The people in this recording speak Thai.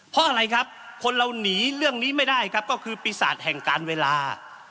เพราะอะไรครับคนเราหนีเรื่องนี้ไม่ได้ครับก็คือปีศาจแห่งการเวลา